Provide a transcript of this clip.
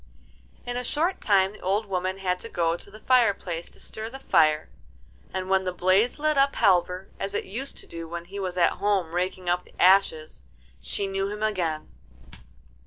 In a short time the old woman had to go to the fireplace to stir the fire, and when the blaze lit up Halvor, as it used to do when he was at home raking up the ashes, she knew him again.